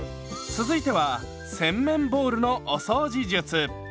続いては洗面ボウルのお掃除術。